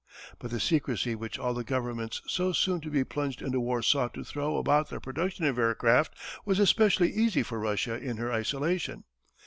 But the secrecy which all the governments so soon to be plunged in war sought to throw about their production of aircraft was especially easy for Russia in her isolation.